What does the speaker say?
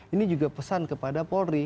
ini juga pesan kepada polri